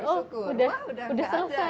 kalau misalnya oh udah selesai gitu kan